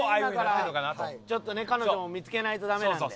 ちょっとね彼女も見付けないとダメなんで。